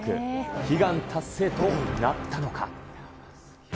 悲願達成となったのか。